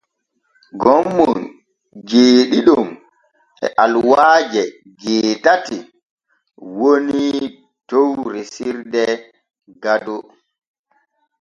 Gommon jeeɗiɗon e aluwaaje jeetati woni dow resirde Gado.